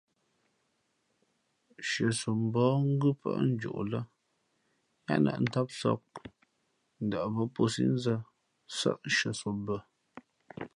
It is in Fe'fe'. Hʉαsom mbα̌h ngʉ́ pάʼ njoʼ lά yáá nᾱp ndámsāk, ndαʼmά pō síʼ nzᾱ nsάʼ nshʉαsom bᾱ.